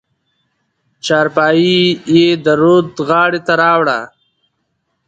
چارپايي يې د رود غاړې ته راوړه.